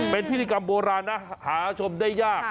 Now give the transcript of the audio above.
เป็นพิธีกรรมโบราณนะหาชมได้ยาก